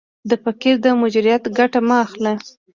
د فقیر د مجبوریت ګټه مه اخله.